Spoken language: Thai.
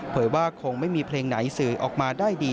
ว่าคงไม่มีเพลงไหนสื่อออกมาได้ดี